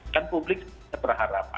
kan publik tidak berharapan